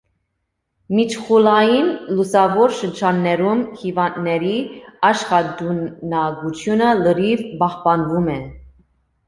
Միջփուլային լուսավոր շրջաններում հիվանդների աշխատունակությունը լրիվ պահպանվում է։